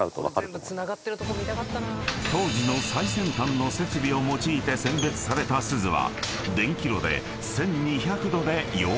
［当時の最先端の設備を用いて選別された錫は］